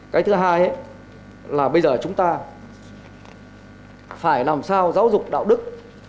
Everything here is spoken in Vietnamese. cái thứ hai là bây giờ chúng ta phải làm sao giáo dục đạo đức